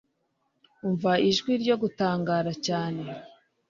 Umva Ijwi ryo gutangara cyane